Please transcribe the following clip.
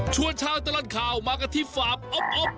ชวนชาติตลัดข่าวมากันที่ฝาบอบ